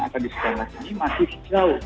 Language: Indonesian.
akan disediakan ini masih jauh